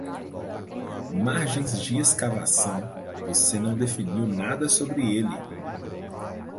Margens de escavação, você não definiu nada sobre ele.